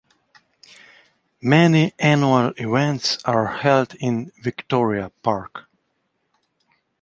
Many annual events are held in Victoria Park.